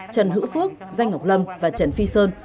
trần hữu phước danh ngọc lâm và trần phi sơn